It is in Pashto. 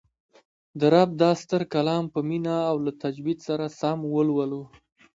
د رب دا ستر کلام په مینه او له تجوید سره سم ولولو